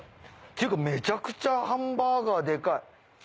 めちゃくちゃハンバーガーデカい。